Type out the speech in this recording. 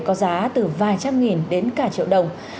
có giá từ vài trăm nghìn đến cả triệu đồng